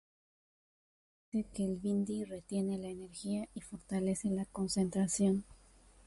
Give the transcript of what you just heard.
Se dice que el bindi retiene la energía y fortalece la concentración.